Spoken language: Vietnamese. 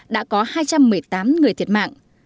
đã có hai trăm một mươi tám người thiệt mạng